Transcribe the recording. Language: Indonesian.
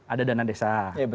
ada dana desa